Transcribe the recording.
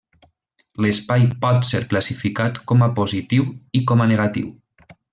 L'espai pot ser classificat com a positiu i com a negatiu.